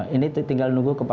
ini tinggal nunggu kepenangan